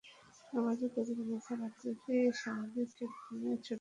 নবজাতকের মাথার আকৃতি স্বাভাবিকের তুলনায় ছোট হলে তাকে মাইক্রোকেফালি বলা হয়।